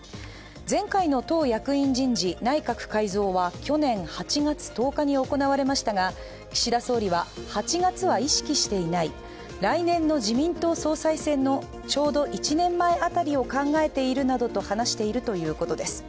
前回の党役員人事、内閣改造は去年８月１０日に行われましたが、岸田総理は８月は意識していない、来年の自民党総裁選のちょうど１年前辺りを考えているなどと話しているということです。